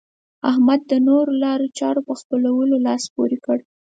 احمد د نورو لارو چارو په خپلولو لاس پورې کړ.